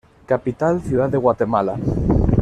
Capital: Ciudad de Guatemala.